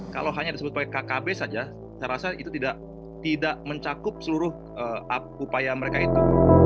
kalau hanya disebut sebagai kkb saja saya rasa itu tidak mencakup seluruh upaya mereka itu